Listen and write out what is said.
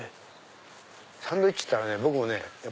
サンドイッチって僕もね